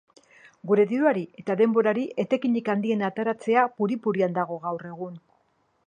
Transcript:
Gure diruari eta denborari etekinik handiena ateratzea puri-purian dago gaur egun.